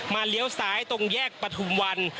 มาเลี้ยวสายตรงแยกประธุมวัน